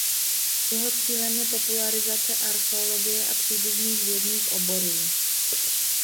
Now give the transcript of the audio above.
Jeho cílem je popularizace archeologie a příbuzných vědních oborů.